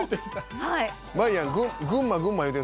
まいやん。